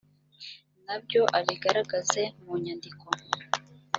na byo abigaragaze mu nyandiko